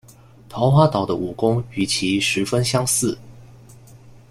桃花岛的武功与其十分相似。